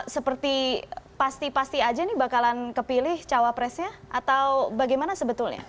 seperti pasti pasti aja nih bakalan kepilih cawapresnya atau bagaimana sebetulnya